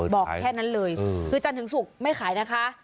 บอกแค่นั้นเลยคือจันทร์ถึงศุกร์ไม่ขายนะคะ